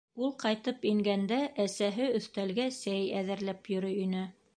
Ул ҡайтып ингәндә, әсәһе өҫтәлгә сәй әҙерләп йөрөй ине.